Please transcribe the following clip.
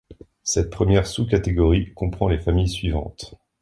Cette première sous-catégorie comprend les familles suivantes.